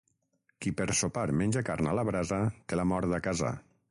Qui per sopar menja carn a la brasa té la mort a casa.